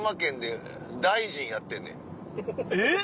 えっ！